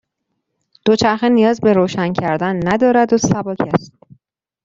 دوچرخه نیاز به روشن کردن ندارد و سبک است.